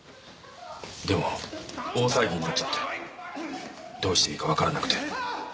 でも大騒ぎになっちゃってどうしていいかわからなくて。